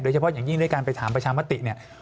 เฉพาะอย่างยิ่งด้วยการไปถามประชามติเนี่ย